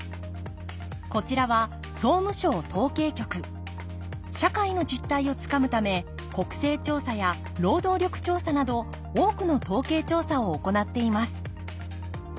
こちらは社会の実態をつかむため国勢調査や労働力調査など多くの統計調査を行っています